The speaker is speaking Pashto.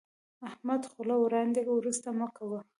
احمده، خوله وړاندې ورسته مه کوه.